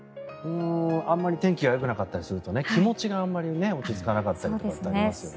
あまり天気がよくなかったりすると気持ちがあまり落ち着かなかったりってことありますよね。